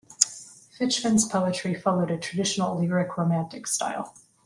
Fichman's poetry followed a traditional lyric Romantic style.